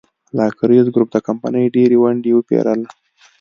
لاکزر ګروپ د کمپنۍ ډېرې ونډې وپېرله.